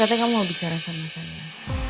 katanya kamu mau bicara sama saya